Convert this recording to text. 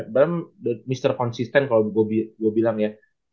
brahm mr consistent kalau gue bilang ya